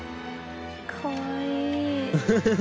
かわいい。